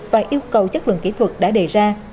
và yêu cầu chất lượng kỹ thuật đã đề ra